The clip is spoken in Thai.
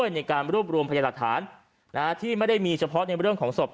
ในการรวบรวมพยาหลักฐานที่ไม่ได้มีเฉพาะในเรื่องของศพ